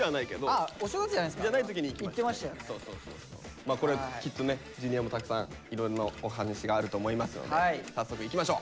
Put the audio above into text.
まあこれはきっとねＪｒ．もたくさんいろんなお話があると思いますので早速いきましょう。